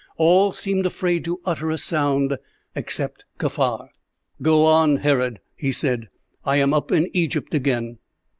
All seemed afraid to utter a sound, except Kaffar. "Go on, Herod," he said; "I am up in Egypt again."